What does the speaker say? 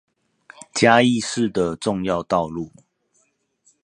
嘉義市的重要道路